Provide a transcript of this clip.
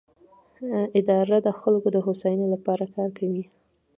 اداره د خلکو د هوساینې لپاره کار کوي.